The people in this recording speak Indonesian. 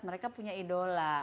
mereka punya idola